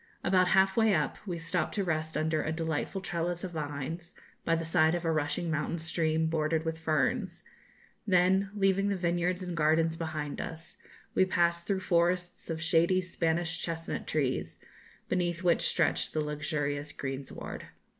About half way up we stopped to rest under a delightful trellis of vines, by the side of a rushing mountain stream, bordered with ferns; then, leaving the vineyards and gardens behind us, we passed through forests of shady Spanish chestnut trees, beneath which stretched the luxurious greensward.